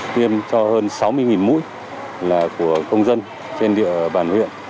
tiêm cho hơn sáu mươi mũi là của công dân trên địa bàn huyện